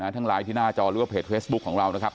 ทั้งไลน์ที่หน้าจอหรือว่าเพจเฟซบุ๊คของเรานะครับ